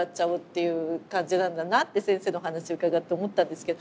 いう感じなんだなって先生のお話伺って思ったんですけど。